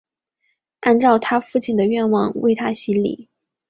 按照她父亲的愿望她受洗礼。